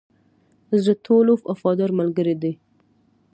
زړه ټولو وفادار ملګری دی.